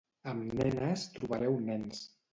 Amb nenes trobareu nens.